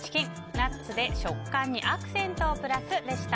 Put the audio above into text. ナッツで食感にアクセントをプラス！でした。